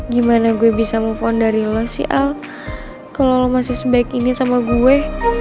gimana gue bisa move on dari lo sih al kalo lo masih sebaik ini sama gue